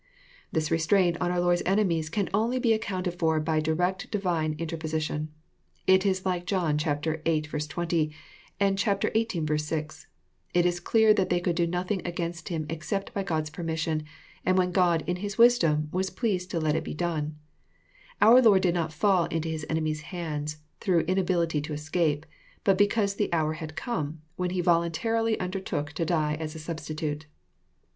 '] This restraint on our Lord's enemies can only be accounted for by direct Divine interposi tion. It is like John viii. 20, and xviii. 6. It is cleafthat they could do nothing against Him except by God's permission, and when God, in His wisdom, was pleased to let it be done. Our Lord did not fall Into His enemies' ha nds th rough inability to escape, but because the " hour had com^," When He voluntarily under took to die as a substitute.